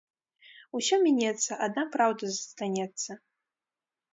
Усё мінецца, адна праўда застанецца